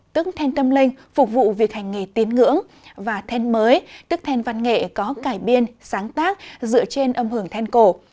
tức then tâm linh phục vụ việc hành nghề tín ngưỡng và then mới tức then văn nghệ có cải biên sáng tác dựa trên âm hưởng then cổ